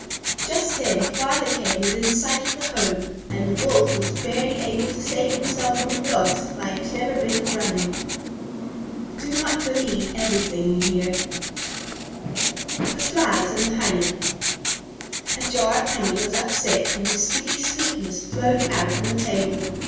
Just then the Father came within sight of the home, and the Wolf was barely able to save himself from the Dogs by a clever bit of running. Do not believe everything you hear. THE FLIES AND THE HONEY A jar of honey was upset and the sticky sweetness flowed out on the table.